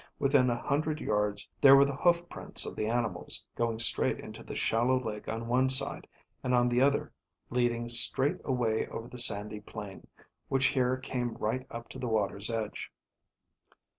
Within a hundred yards there were the hoof prints of the animals, going straight into the shallow lake on one side and on the other leading straight away over the sandy plain, which here came right up to the water's edge.